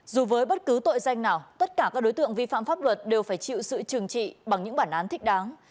dù với bất cứ tội danh nào tất cả các đối tượng vi phạm pháp luật đều phải chịu sự trừng trị bằng những bản án thích đáng